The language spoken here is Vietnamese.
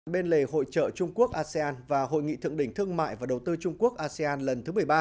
bên lề hội trợ trung quốc asean và hội nghị thượng đỉnh thương mại và đầu tư trung quốc asean lần thứ một mươi ba